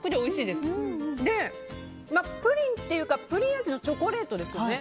で、プリンというかプリン味のチョコレートですよね。